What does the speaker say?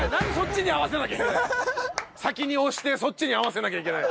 先に押してそっちに合わせなきゃいけない？